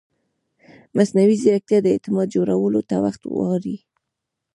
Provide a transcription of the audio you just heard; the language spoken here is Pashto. مصنوعي ځیرکتیا د اعتماد جوړولو ته وخت غواړي.